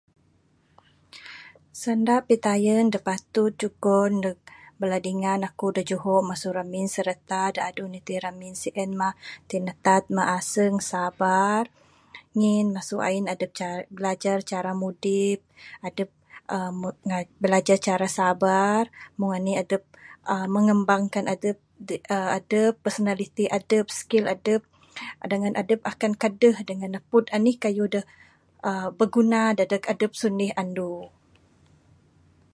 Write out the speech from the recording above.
Sanda pitayen da patut jugon neg bala dingan aku da juho sirata dadu nitih ramin sien mah tinatat mah aseng sabar ngin masu ain adep cara...bilajar cara mudip...adep uhh bilajar cara sabar meng anih adep uhh mengembangkan adep uhh adep personaliti adep skill adep dangan adep akan kadeh dangan napud anih kayuh da biguna dadeg adep sunih andu.